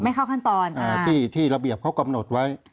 เข้าขั้นตอนที่ระเบียบเขากำหนดไว้